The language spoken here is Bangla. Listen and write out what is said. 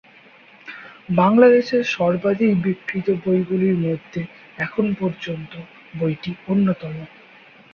বাংলাদেশের সর্বাধিক বিক্রিত বইগুলির মধ্যে এখন পর্যন্ত বইটি অন্যতম।